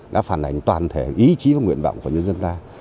đã phản ảnh toàn thể ý chí và nguyện vọng của nhân dân ta